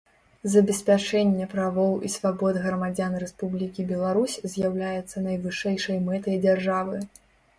Забеспячэнне правоў і свабод грамадзян Рэспублікі Беларусь з’яўляецца найвышэйшай мэтай дзяржавы.